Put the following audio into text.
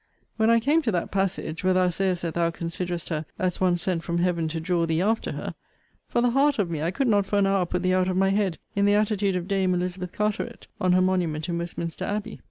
When I came to that passage, where thou sayest that thou considerest her* as one sent from Heaven to draw thee after her for the heart of me I could not for an hour put thee out of my head, in the attitude of dame Elizabeth Carteret, on her monument in Westminster Abbey.